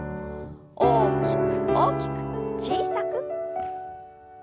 大きく大きく小さく。